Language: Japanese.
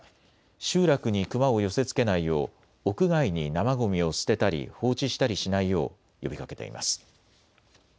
集落にクマを寄せつけないよう屋外に生ごみを捨てたり放置したりしないよう呼びかけています。